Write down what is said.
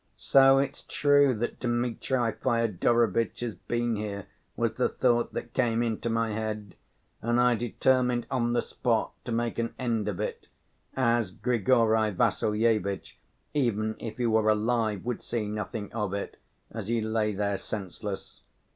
So it's true that Dmitri Fyodorovitch has been here, was the thought that came into my head, and I determined on the spot to make an end of it, as Grigory Vassilyevitch, even if he were alive, would see nothing of it, as he lay there senseless.